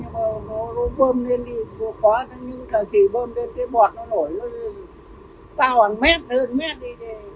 nhưng mà nó bơm lên thì có quá nhưng mà khi bơm lên thì bọt nó nổi lên cao hẳn mét hơn mét đi